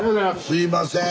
すいません。